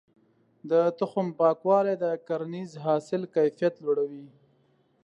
د تخم پاکوالی د کرنیز حاصل کيفيت لوړوي.